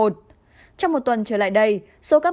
trong một tuần trở lại đây số các bác mục